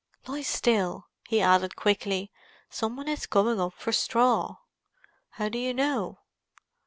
"Lie still!" he added quickly. "Some one is coming up for straw." "How do you know?"